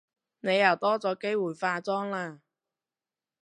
你又多咗機會化妝喇